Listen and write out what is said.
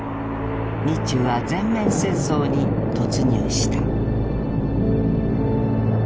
日中は全面戦争に突入した。